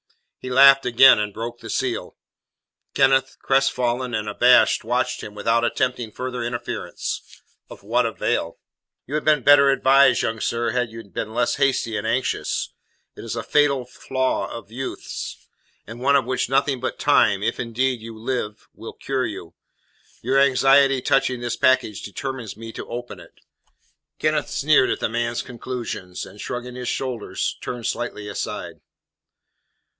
He laughed again, and broke the seal. Kenneth, crestfallen and abashed, watched him, without attempting further interference. Of what avail? "You had been better advised, young sir, had you been less hasty and anxious. It is a fatal fault of youth's, and one of which nothing but time if, indeed, you live will cure you. Your anxiety touching this package determines me to open it." Kenneth sneered at the man's conclusions, and, shrugging his shoulders, turned slightly aside.